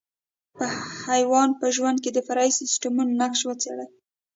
په حیوان په ژوند کې د فرعي سیسټمونو نقش وڅېړئ.